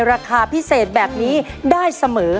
ราคาพิเศษแบบนี้ได้เสมอ